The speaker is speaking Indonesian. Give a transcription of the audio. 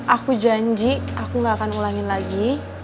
aku janji aku nggak akan ulangin lagi